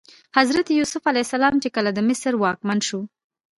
حضرت یوسف علیه السلام چې کله د مصر واکمن شو.